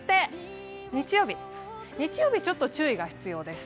日曜日、ちょっと注意が必要です。